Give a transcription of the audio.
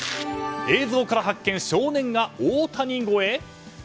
映像から発見、少年が大谷超え？